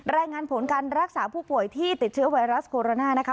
รายงานผลการรักษาผู้ป่วยที่ติดเชื้อไวรัสโคโรนานะคะ